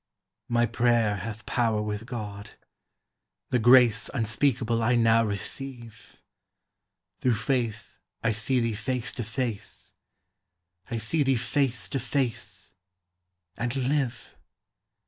My prayer hath power with God; the grace Unspeakable I now receive; Through faith I see thee face to face; I see thee face to face and live!